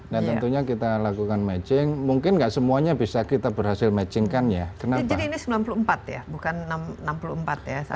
nah tentunya kita lakukan matching mungkin gak semuanya bisa kita berhasil matching kan ya kenapa